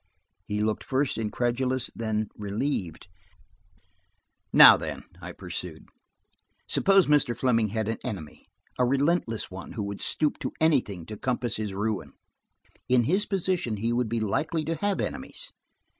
He looked first incredulous, then relieved. "Now, then," I pursued, "suppose Mr. Fleming had an enemy, a relentless one who would stoop to anything to compass his ruin. In his position he would be likely to have enemies.